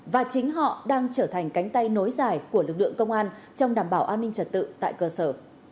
và chính họ đang trở thành cánh tay nối dài của lực lượng công an trong đảm bảo an ninh trật tự tại cơ sở